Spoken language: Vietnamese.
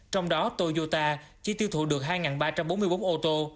trong đó toyota chỉ tiêu thụ được hai ba trăm bốn mươi bốn ô tô